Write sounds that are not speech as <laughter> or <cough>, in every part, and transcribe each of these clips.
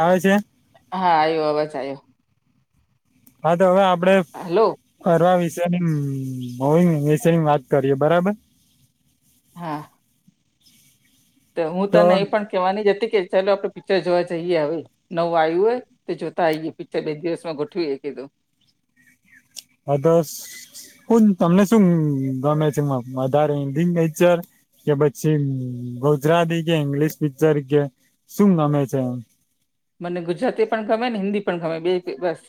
આવે છે? હા. આયો અવાજ આયો. હા તો હવે આપડે હલો. ફરવા વિશેની હો <unintelligible> વિષેની વાત કરીએ બરાબર. હા. તો હું તને એ પણ કેવાની જ હતી કે ચાલો આપડે પિક્ચર જોવા જઈએ હવે. નવું આયું હોય તો જોતા આઈએ પીક્ચર એક દિવસમાં ગોઠવી એ કીધું. આ દસ બુન તમને શું ગમે છે વધારે? હિંદી પિક્ચર? કે પછી ગુજરાતી કે ઇંગ્લિશ પિક્ચર કે શું ગમે છે? એમ. મને ગુજરાતી પણ ગમે ને હિન્દી પણ ગમે બેયતે બસ.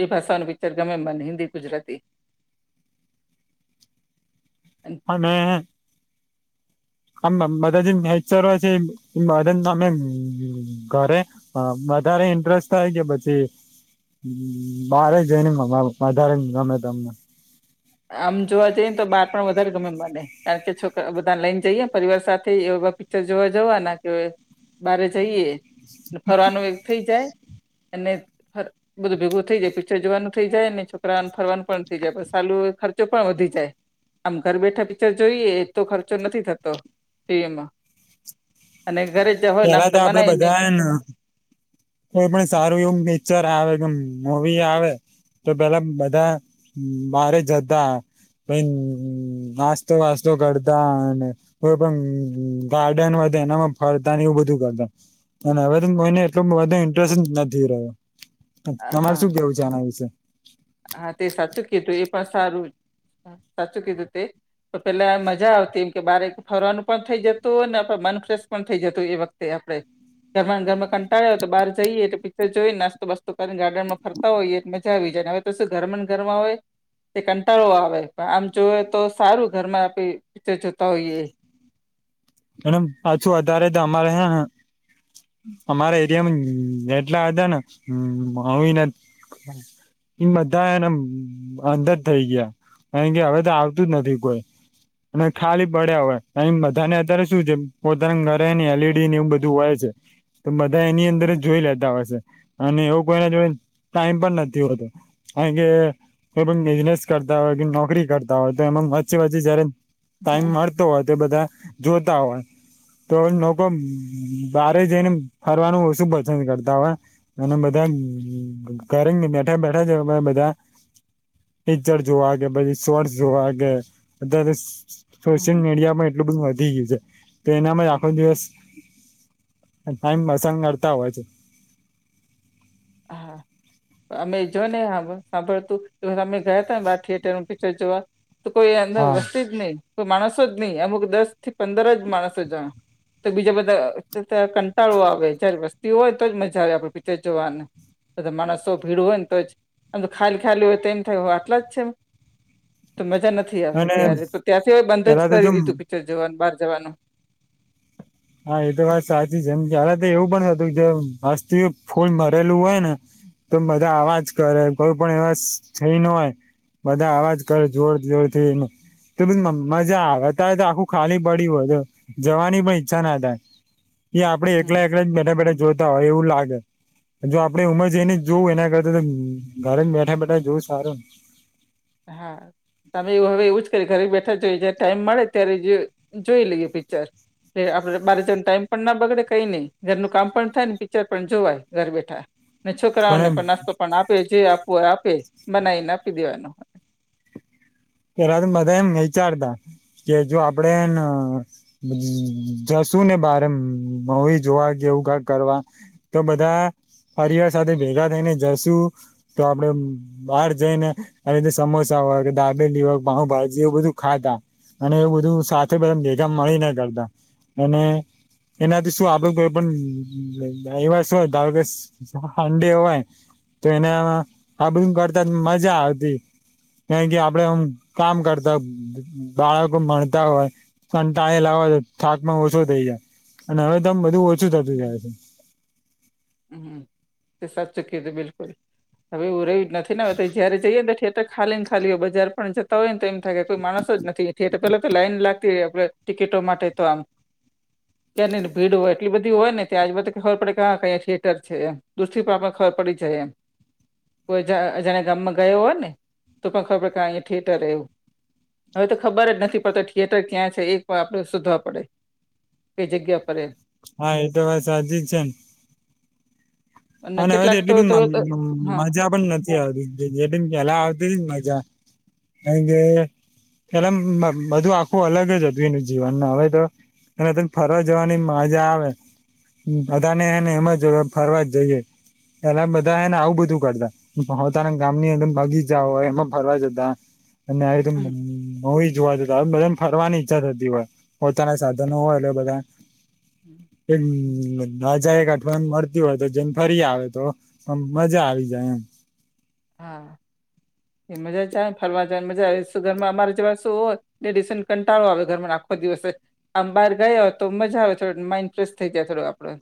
બેય ભાષાઓનું પિક્ચર ગમે મને હિન્દી, ગુજરાતી. અન અને આમ બધાથીન મેચ્યોર હોય છે. <unintelligible> ઘરે હા વધારે ઇન્ટરેસ્ટ થાય છે પછી બારે જઈને મંગાવું વધારે ગમે તમને? આમ જોવા જઈને તો બાર પણ વધારે ગમે મને. કારણ કે છોકરા બધાને લઈન જઈએ પરિવાર સાથે એવા પિક્ચર જોવા જવા ના કે બારે જઈએ ને ફરવાનું એક થઈ જાય અને ફર બધું ભેગું થઈ જાય પિક્ચર જોવાનું થઈ જાય ને છોકરાને ફરવાનું પન થઈ જાય. પણ સાલું એક ખર્ચો પણ વધી જાય. આમ ઘર બેઠા પિક્ચર જોઈએ એ તો ખર્ચો નથી થતો, ટીવીમાં. અને ઘરે જ હોય નાસ્તો બનાયને. હા. કોઈ પણ સારું એવું પિક્ચર આવે કે મુવી આવે. તો પેલા બધા, મારે જતા. પ નાસ્તો વાસ્તો કરતા અને. કોઈ પણ ગાર્ડન વધ એનામાં ફરતા એવું બધું કરતા. હવે તોઈને એટલો બો ઇન્ટરેસ્ટ નથી રહ્યો, હા તમારે શું કેવું છે આના વિશે? હા તે સાચું કીધું એ પણ સારું, સાચું કીધું તે. તો પેલા મજા આવતી એમ કે બારેક ફરવાનું પણ થઈ જતું ને મન ફ્રેશ પણ થઈ જતું એ વખત. તે આપડણે. ઘરમાં ઘરમાં કંટાળ્યો તો બાર જઈએટલે પિક્ચર જોઈ નાસ્તો બાસ્તો કરીને ગાર્ડમાં ફરતા હોઈએ એટ મજા આવી જાય હવે પછ ઘર ઘરમાં હોય. તે કંટાળો આવે પણ આમ જોવે તો સારું ઘરમાં આપી પિક્ચર જોતા હોઈએ. એમ પાછું વધારે તો અમારે હ અમારા એરિયામાં એટલા હતા ને હ હને. એ બધા એને અંદર થઇ ગયા. કારણ કે હવે તો આવતું જ નથી કોઈ, અને ખાલી પડ્યા હોય બધા ને અત્યારે ું છે પોતાના ઘરે ને એલઈડી ને એવું બધું હોય છે. તો બધા એની અંદર જ જોઈ લેતા હશે, અને એવો કોઈના જોડે ટાઈમ પણ નથી હોતો. કાર કે, કોઈ પણ બિઝનેસ કરતા હોય કે નોકરી કરતા હોય તો એમાં વચચી વાચી જયારે ટાઈમ હમ મળતો હોય તો બધા, જોતા હોય. તો લોકો બારે જઈને ફરવાનું ઓ શું પસંદ કરતા હોવે. અને બધા ઘરેને બેઠા બેઠા જ બધા. જડ જોવાગે પછી સ્ર્ જોવાગે. સોશિયલ હમ મીડિયા માં એટલું બધ વધી ગયું છે. તો એનામાં હમ. આખો દિવસ, ટાઈમ મસંગ કરતા હોય છે. હા <inaudible> અમે જો ને સાંભળ સાંભળતું તો અમે ગયા હતા ને બાર થિયેટર નું પિક્ચર જોવા. તો કોઈ અંદર હા વસ્તી જ નહી કોઈ માણસો જ નહી અમુક દસ થી પંદર જ માણસો જા. તો બીજા બધા કંટાળો આવે જયારે વસ્તીઓ હોય તો જ મજા આવે આપડે પીચર જોવાનું. તો માણસો ભીડ હોય ને તો જ આમ તો ખાયલી ખાઈલી હોય તો એમ થાય આટલા જ છે એમ. તો મજા નથી આવતી અને ત્યારે તો ત્યાંથી બંધ જ પેલા તો કરી જો દીધું પિક્ચર જોવાનું બહાર જવાનું. હા એ તો વાત સાચી જમ તો એવું પણ હતું જે મસ્તી ફૂલ મરેલું હોય ને. તો બધા આવાજ કરે કોઈ પણ એવા થઈ ન હોય. બધા અવાજ કરે જોર જોરથી એને. તો બ મજા આવતા હોય તો આખું ખાલી પડ્યું હો જવાની ભાઈ છા ના થાય, એ આપડે હમ એકલા એકલા જ બેઠા બેઠા જોતા હોય એવું લાગે. જો આપડે ઉંમર જઈને જોવું એના કરતા ઘરે જ બેઠા બેઠા જોવું સારું ને. હા. તમે એવું હવે એવું જ કરી ઘરે બેઠા જોઈએ જ્યારે ટાઈમ મળે ત્યારે જોઈ લઈએ પિક્ચર. એ આપડે બારે જણ ટાઈમ પણ ના બગડે કઈ નઈ ઘરનું કામ પણ થાય ને પિક્ચર પણ જોવાય ઘર બેઠા. અનેને છોકરાઓને પણ નાસ્તો પણ આપે જે આપવોય આપે બનાવીને આપી દેવાનો હોય. પેલા બધા એમ વિચારતા, કે જો આપડે જશું ને બારે મૂવી જોવા કેવું ક કરવા. તો બધા પરિવાર સાથે ભેગા થઈને જશું. તો આપડે બહાર જઈને આવી રીતે સમોસા હોય કે દા દાબેલી હોય પાઉં ભાજી એ બધું ખાતા અને એ બધું સાથે બધા ભેગા મળી ને કરતા. અને એનાથી શું આપડું કોઈ પણ એવા શું ધારો કે સંડે હોય તો એના આ બધું કરતા મજા આવતી. કારણ કે આપડે આમ કામ કરતા બાળકો મળતા હોય. કંટાળેલા હોય થાક પણ ઓછો થઈ જાય અને હવે તો આમ બધું ઓછું થતું જાય છે. હમ્મ તે સાચું કીધું બિલકુલ. હવે એવું રહ્યું જ નથી હવે જયારે જઈએ તો થિયેટર ખાલી ને ખાલીય બજાર પણ જતા હોય ને તો એમ થાય કોઈ માણસો જ નથી થયેટર પેલા તો લાઈન લાગતી આપે ટિકિટો માટે તો આમ. ક્યાંહીંને ભીડ હોય એટલી બધી હોય ને કે આજુ બાજુ ખબર પડે કે આ ક્યા થેયેટર થેયેટર છે એમ દૂર થી પણ આપને ખબર પડી જાય એમ. કોઈ જા અજાણીયામાં ગામ ગયો હોય ને તો પણ ખબર પડી કે અહ્યા થિએટર આવ્યુ. હવે તો ખબર જ નથી પડતો થિયેટર ક્યાં છે એ પણ આપડે શોધવા પડે. કઈ જગ્યા પરે. હા એતો વાત સાચી જ છે ન. અને હવે તો એટલી બી મ મ મજા પણ નથી. નથી આવતી જે રીતે પેલા આવતી મજા કારણ કે. પેલા આમ બધું આખું અલગ જ હતું એનું જીવનમાં હવે તો. હવે તો ફરવા જવાની મજા આવે બધાને એને એમ જ ફરવા જ જઈએ. પેલા બધા હે ને આવું બધું કરતા. પોતાના ગામની અંદર બગીચા હોય એમાં ફરવા જતા અને આવી રીતે હમ. મૂવી જોવા જતા હવે બધાને ફરવાની ઈચ્છા થતી હોય પોતાના સાધનો હોય એટલે બધા. હમ્મ. ના જાયક અઠવાણ મળતી હોય તો જન ફરી આવે તો પણ મજા આવી જાય એમ. હા એ મજા જ આવે ન ફરવા જવાની મજા આવે સુગરમાં અમારે જેવા શું હોત. તે ડિસન કંટાળો આવે ઘરમાં આખો દિવસ જ. આમ બહાર ગયા હો તો મજા આવે થોડોક માઇન્ડ ફ્રેશ થઈ ગયા થોડોક આપડો.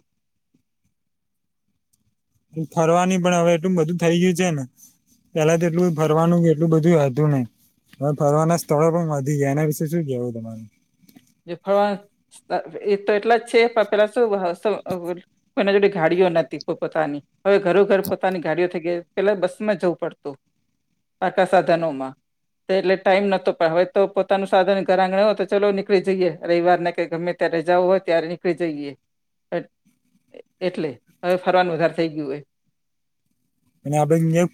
ફરવાની પણ હવે એટલું બધું થઈ ગયું છે ને. પેલા તો એટલું ફરવાનું એટલું બધું હતું નઇ. હવે ફરવાના સ્થળો પણ વધી ગયા એના વિશે શું કેવું તમારે? જો ફરવાનું સ્થ એ તો એટલા જ છે પણ પેલા શું સ્થ અ. કોઈના જોડે ગાડીઓ નથી પોત પોતાની. હવે ઘરો ઘરો ઘર પોતાની ગાડીઓ થઈ ગઈ પેલા બસમાં જવું પડતું. આવતા સાધનોમાં. એટલે ટાઈમ નતો હોવે તો પોતાનું સાધન ઘર આંગણે હોય તો ચાલો નીકળ નીકળી જઈએ રવિવારના કે ગમે ત્યારે જવું હોય ત્યારે નીકળી જઈએ. એટલે હવે ફરવાનું વધારે થઈ ગયું હોય. અને આ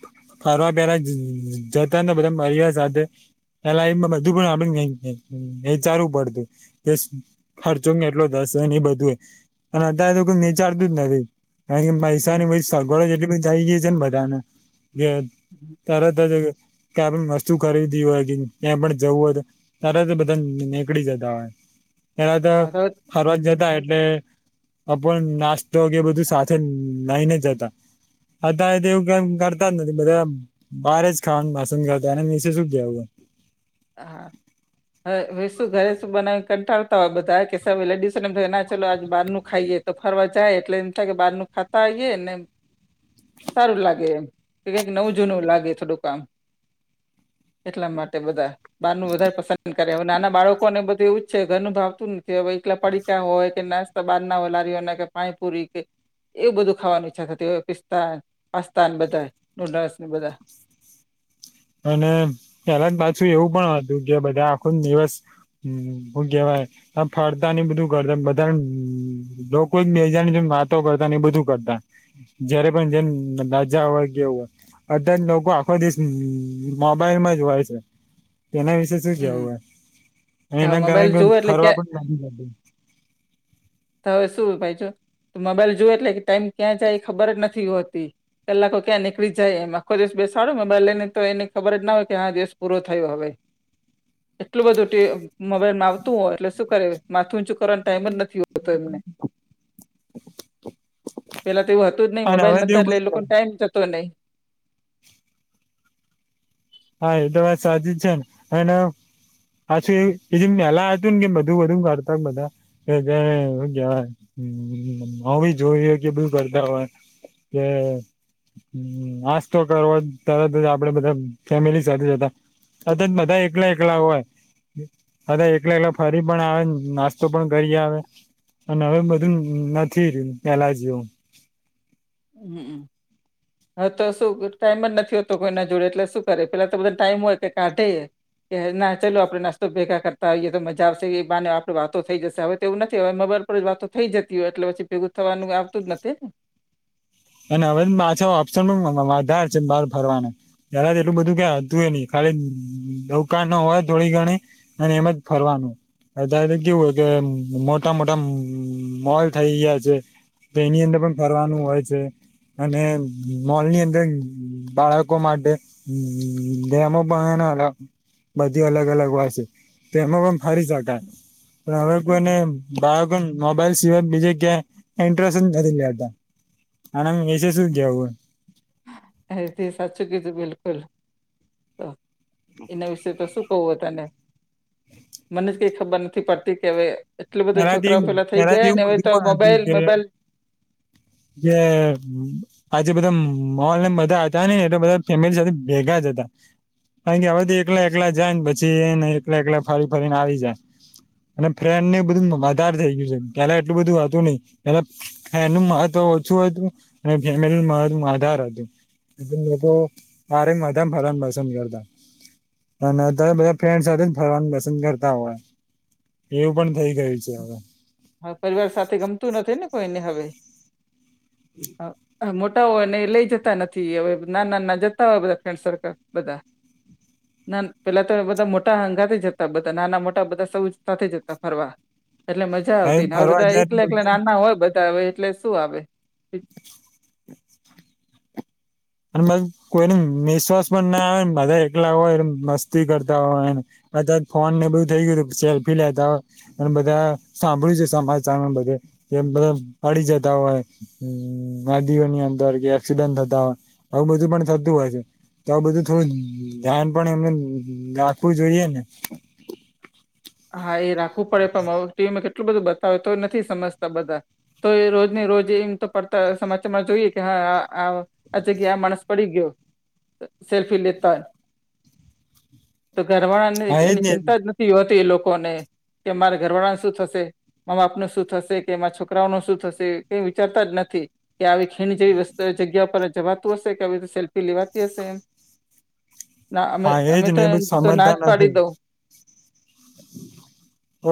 ફરવા પેલા જતા ને બધા મર્યા સાથે. એ લાઇનમાં બધું પણ આપડ એ એ એ ચારવું પડતું કે ખર્ચો બી કેટલો થસે ને એ બધું અને અત્યારે તો કોઈ વિચારતું જ નથી અહીં હોય પૈસાની બી સગવડો જેટલી બધી થઈ ગઈ છે ને બધાને જે તરત જ કે આપણને વસ્તુ ખરીદી હોય ક્યાં પણ જવું હોય તો ત્યારે તો બધા નીકળી જતા હોય, ત્ યારે તો ફરવા જ જતા એટલે, અ નાસ્તો કે બધું સાથે લઈને જતા. ફરતા તેવું કેવ કરતા નથી બધા બારે જ ખાન ભસન કરતા અને નિસેસ જ દેવું. હા. હ શું ઘરે શું બનાવીને કંટાળતા હોય બધા કે લેડીસોને ના ચો આજ બારનું ખાઈએ. તો ફરવા જાય એટલે એમ થાય કે બારનું ખાતા આવીએ ને <inaudible> સારું લાગે એમ, કે કઈક નવ જૂનું લાગે થોડું કામ. એટલા માટે બધા. બારનું વધારે પસંદ કરે અવે નાના બાળકોને બધું એવું જ છે ઘરનું ભાવતું નથી હવે એકલા પડીતા હોય કે નાસ્તા તો બારના હોય લારીઓના કે પાણી પૂરી કે એવું બધું ખાવાની ઈચ્છા થતી હોય પિસ્તા પાસ્તા બધા નૂડલ્સને બધા. અને પહેલા જ પાછું એવું પણ હતું કે બધા આખો દિવસ હમ હું કેવાય. હ ફરતા ને બધું કરતા બધા લોકો બેજા જે વાતો કરતા ને એ બધું કરતા. જયારે પણ જેમ રાજા હોય કેવું હોય, બધા જ લોકો આખો દેશ મોબાઈલ માં જ હોય છે, તેના વિશે શું કેવું હમ હોય? તો હવે એના મોબાઈલ કારણે જોવે એટલે ક્યાં ફરવા પણ લાગી. હવે શું ભાઈ જો, મોબાઈલ જોવે એટલે કે ટાઈમ ક્યાં જાય એ ખબર જ નથી હોતી. કલાકો ક્યાં નીકળી જાય એમ આખો દિવસ બેસાડો બાઈઈને તો એને ખબર જ ના હોય કે હ આ દિવસ પૂરો થયો હવે. <inaudible> એટલું બધું મોબાઈલમાં આવતું હોય એટલે શું કરે માથું ઊંચું કરવાનો ટાઈમ જ નથી હોતો એમને. પેલા તો એવું હતું જ નથી જતું નઈ અને મોબાઈલ હવે તો નતા એવું એટલે એ લોકો બધું ટાઈમ જતો નઈ. હા એ તો વાત સાચી જ છે ને, એને હસુંમનેલા તુન ગ મધુ વધધમ કરતાક બઘા. જય હી જોય કે બું કરતા હોય. કે આજ તો કરો તરત જ આપડે બધા ફેમિલી સાથે જતા, અ જ બધા એકલા એકલા હોય. અ એલે એલે ફરી પણ આવે નાસ્તો પણ કરી આવે. અને હવે બધું નથી રહ્યું પેલા જેવું. હમ. <inaudible> હા તો શું ટાઈમ જ નથી હોતો કોઈના જોડે એટલે શું કરે પેલા તો બધા ટાઈમ હોય કે કાઢે. કે ના ચાલો આપડે નાસ્તો ભેગા કરતા હોઈએ તો મજાશે એ આપડ વાતો થઈ જશે હવે તો એવું નથી હ મબર આપ વાતો થઈ જતી હોય એટલે પછી ભેગું થવાનું આવતું જ નથી ને. અને હવે પાછા ઓપ્શન વધારે છે ને બહાર ફરવ તાર એટલું બધું ક હતું એ નહ, ખાલી દકાાન ન હોય થોડી ઘણી અને એમ જ ફરવાનું. અ ત કેવું હોય કે મોટા મોટા મોલ થઇ ગયા છે. તો એની અંદર પણ ફરવાનું હોય છે. અને મોલની અંદર બાળકો માટે. હમ જેમ ભનાલા બધી અલગ અલગ હોય છે, તો એમાં પણ ફરી જગાય. પણ હવે લોકો એને બાળકો મોબાઈલ સિવાય બીજે ક્યાં ઇન્ટરેસ્ટ જ નથી લેતા. અને વિસે સુ કેવું હૈ- - હ તે સાચું કીધું બિલકુલ તો એના વિશે તો શું- - કવું તને મને જ કઈ ખબર નથી પડતી કે હવે- - એટલે બધા એનાથી છોકરાઓ પેલા થઈ એનાથી ગયા એવું ને હવે બધું તો પણ હતું મોબાઈલ કે મોબાઈલ- - જે- - આજે બધા મોન બધા હતા ને એટલે બધા ફેમિલી સાથે ભેગા જ હતા. કારણ કે હવેધી એકલા એકલા જાય ને પછી એને એકલા એકલા ફરી ફરીને આવી જાય- - અને ફ્રેન્ડ ને બધુંઆર થઇ ગયું છે પેલા એટલું બધું વાતું નહિ પ- - હ એનું મા તો ઓછું હતું અને ફેમેલી મા આધાર હતું. એ લોકો માારે મધમ ફલન પસંદ કરતા- - ત્યારે બધા ફ્રેન્ડ સાથે ફરવાનું પસંદ કરતા હોય એવું પણ- - થઈ ગયું છે હવે. હા પરિવાર સાથે ગમતું નથી ને કોઈને હવે હ- - હોય ને લઈ જતા નથી હવે નાના ના જતા હોય બધા ફ્રેન્ડ સર્કલ બધા- - ના પેલા તો બધા મોટા હંગાથે જતા બધા નાના મોટા બધા સૌ સાથે જતા ફરવા- - એટલે મજા આવતી ને હવે ફરવા બધા જાય તો એકલા એકલા બધું નાના હોય બધા હવે એટલે શું આવે. <unintelligible> અને બસ કોઈ ન નિશ્વાસ પણ ના આવેને બધા એકલા હોય એ મસ્તી કરતા હોયને- - બ ફોન ને બધુ થઈ ગયું સેલ્ફી લેતા હો- - અને બધા સાંભળ્યું છે સમાચચારને બધે કે બધા પડી જતા હોય- - હમ નદીઓની અંદર એક્સિડન્ટ થતા હોય આવું બધું પણ થતું હોય છે. તો આ બધું થોડું ધ્યાન પણ એમને રાખવું જોઈએને હા એ રાખવું પડે પણ ટીવીમાં કેટલું બધું બતાવે તો નથી સમજતા બધા તો એ રોજને રોજ એમ તો પડતા સમાચારમાં જોઈએ કે હા આ અચ્છા કે આ માણસ પડી ગયો સેલ્ફી લેતા હોય. તો ઘરવાળાની હા એજ એની ને ચિંતા જ નથી હોતી એ લોકો લોકોને કે મારે ઘરવાળાને શું થશે મા બાપ ન શું થશે કે છોકરાઓ ન શું થશે કઈ વિચારતા જ નથી કે આવી ખીણ જેવી વસ્તુ જગ્યા પર જવાતું હશે કે આવી સેલ્ફી લેવાતી હશે. ના અમે હા એજ અમે તો ને એ બ એમ તો ના સમજતા જ પાડી નથી. દઉં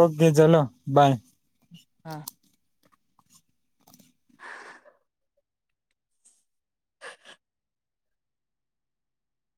ઓકે ચલો બાય હા